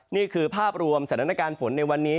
นี่คือภาพรวมสถานการณ์ฝนในวันนี้